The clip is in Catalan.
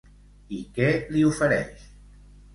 I què li ofereix?